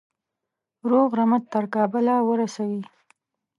روغ رمټ تر کابله ورسوي.